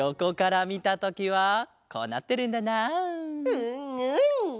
うんうん！